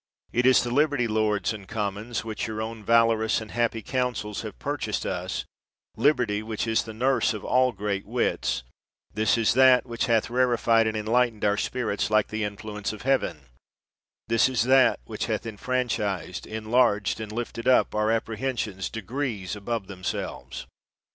It is the liberty, lords and commons, which your own valorous and happy counsels have purchased us, liberty which is the nurse of all great wits ; this is that which hath rarefied and enlightened our spirits like the influence of heaven ; this is that which hath enfranchised, enlarged and lifted up our appre hensions degrees above themselves.